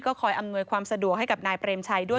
คอยอำนวยความสะดวกให้กับนายเปรมชัยด้วย